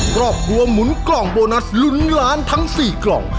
ครอบครัวหมุนกล่องโบนัสลุ้นล้านทั้ง๔กล่อง